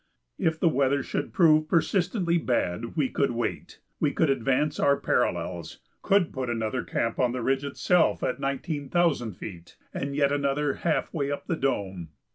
If the weather should prove persistently bad we could wait; we could advance our parallels; could put another camp on the ridge itself at nineteen thousand feet, and yet another half way up the dome.